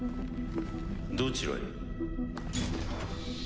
どちらへ？